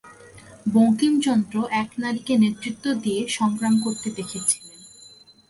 বঙ্কিমচন্দ্র এক নারীকে নেতৃত্ব দিয়ে সংগ্রাম করতে দেখেছিলেন।